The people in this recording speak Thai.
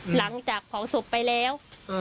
หล่างจากผ่อนศพไปแล้ว